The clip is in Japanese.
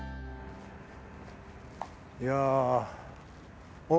いや。